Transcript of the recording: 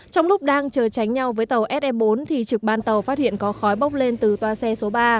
trong lúc đang chờ tránh nhau với tàu se bốn thì trực ban tàu phát hiện có khói bốc lên từ toa xe số ba